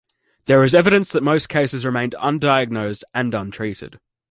There is evidence that most cases remain undiagnosed and untreated.